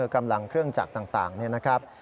กำลังเครื่องจักรต่างนี่นะครับ